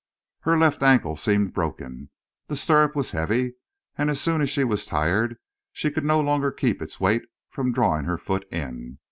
Her left ankle seemed broken. The stirrup was heavy, and as soon as she was tired she could no longer keep its weight from drawing her foot in.